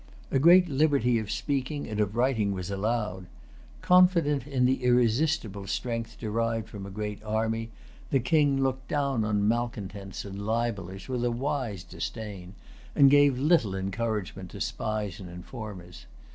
A great liberty of speaking and of writing was allowed. Confident in the irresistible strength derived from a great army, the King looked down on malcontents and libellers with a wise disdain; and gave little encouragement to spies and informers.